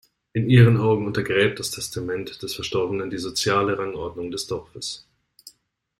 In ihren Augen untergräbt das Testament des Verstorbenen die soziale Rangordnung des Dorfes.